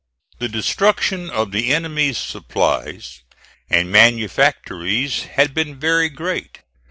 The destruction of the enemy's supplies and manufactories had been very great.